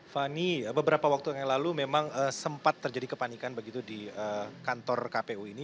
fani beberapa waktu yang lalu memang sempat terjadi kepanikan begitu di kantor kpu ini